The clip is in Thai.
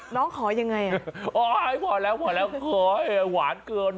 ร้องขอยังไงพอแล้วขอหวานเกิน